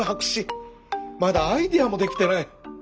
まだアイデアもできてない。